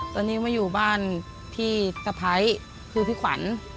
ตอนนี้มาอยู่บ้านพี่สะพ้ายคือพี่ขวัญ